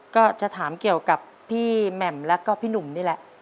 ก็จะถามเกี่ยวกับพี่แหม่มแล้วก็พี่หนุ่มนี่แหละ